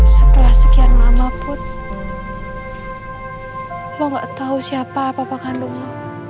setelah sekian lama put lo gak tau siapa papa kandung lo